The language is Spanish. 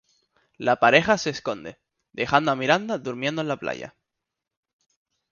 La pareja se esconde, dejando a Miranda durmiendo en la playa.